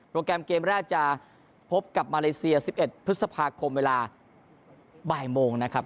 แกรมเกมแรกจะพบกับมาเลเซีย๑๑พฤษภาคมเวลาบ่ายโมงนะครับ